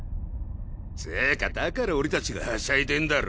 つぅかだから俺たちがはしゃいでんだろ。